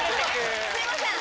すいません。